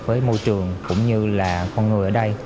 với môi trường cũng như là con người ở đây